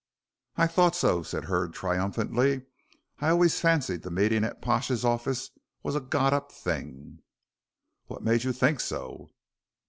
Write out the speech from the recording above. "I thought so," said Hurd, triumphantly. "I always fancied the meeting at Pash's office was a got up thing." "What made you think so?"